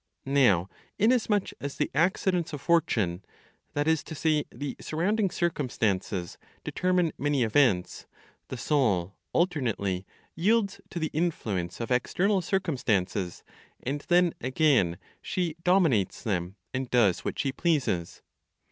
Now, inasmuch as the accidents of fortune, that is to say, the surrounding circumstances, determine many events, the soul alternately yields to the influence of external circumstances, and then again she dominates them, and does what she pleases.